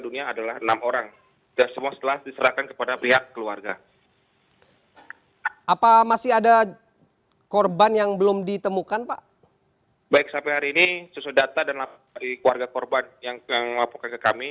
ini susu data dari keluarga korban yang melaporkan ke kami